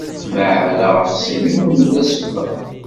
Ma ɛerraɣ axṣim-iw mebla ssebba.